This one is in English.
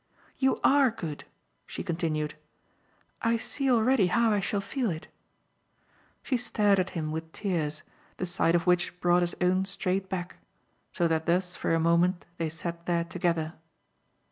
You ARE good," she continued; "I see already how I shall feel it." She stared at him with tears, the sight of which brought his own straight back; so that thus for a moment they sat there together.